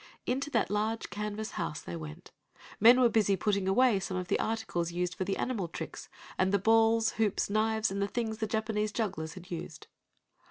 Into that large canvas house they went. Men were busy putting away some of the articles used for the animal tricks, and the balls, hoops knives and things the Japanese jugglers had used.